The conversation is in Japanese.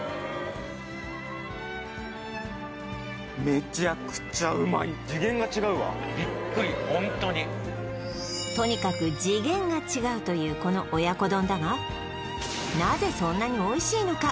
めちゃくちゃうまい次元が違うわビックリホントにとにかく次元が違うというこの親子丼だがなぜそんなにおいしいのか？